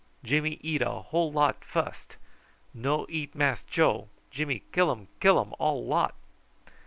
Jimmy eat a whole lot fust. No eat Mass Joe. Jimmy killum killum all lot."